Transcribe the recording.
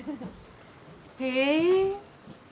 へえ。